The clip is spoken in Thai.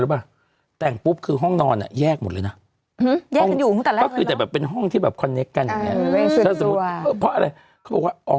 เมื่อเข้าไม่ได้มันขึ้นกันมาแล้ว